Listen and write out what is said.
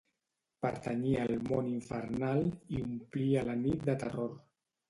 Pertanyia al món infernal i omplia la nit de terror.